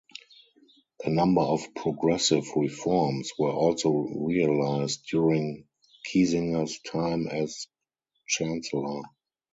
A number of progressive reforms were also realised during Kiesinger's time as Chancellor.